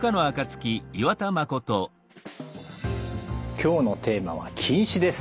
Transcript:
今日のテーマは近視です。